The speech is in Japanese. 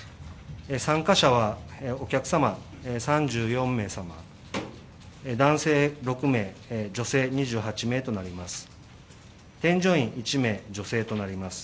参加者はお客様３４名様、男性６名、女性２８名となります。